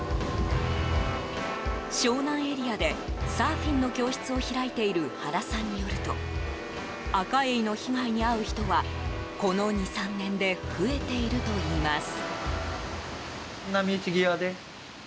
湘南エリアでサーフィンの教室を開いている原さんによるとアカエイの被害に遭う人はこの２３年で増えているといいます。